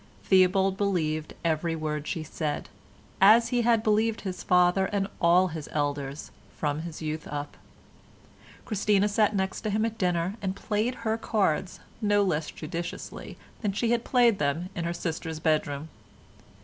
Theobald believed every word she said, as he had believed his father and all his elders from his youth up. Christina sat next him at dinner and played her cards no less judiciously than she had played them in her sister's bedroom.